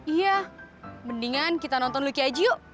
iya mendingan kita nonton luki aja yuk